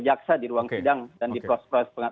jaksa di ruang sidang dan di prosperas